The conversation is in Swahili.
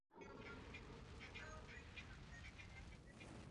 na kupata milioni hamsini Nikaenda kwa Ruge Nikaweka mezani hela zote